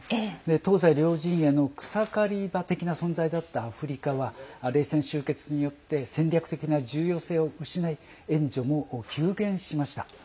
東西両陣営の草刈り場的な存在だったアフリカは冷戦終結によって戦略的な重要性を失い、援助も急減しました。